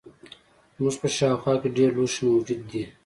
زموږ په شاوخوا کې ډیر لوښي موجود دي.